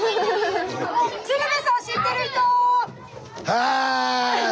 はい！